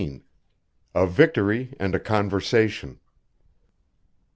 A VICTORY AND A CONVERSATION.